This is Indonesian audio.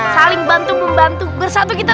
saling bantu membantu bersatu kita